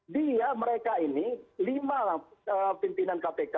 dia mereka ini lima pimpinan kpk